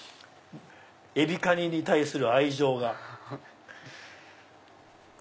エビカニに対する愛情が。